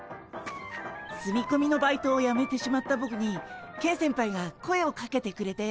住みこみのバイトをやめてしまったボクにケン先輩が声をかけてくれて。